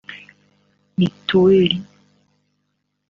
mituweli